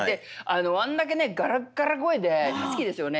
あんだけねガラッガラ声でハスキーですよね。